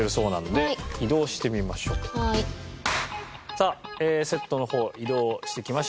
さあセットの方移動してきました。